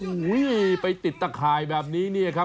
โอ้โหไปติดตะข่ายแบบนี้เนี่ยครับ